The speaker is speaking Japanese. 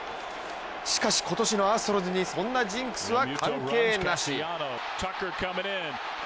しかし、今年のアストロズにそんなジンクスは関係なし。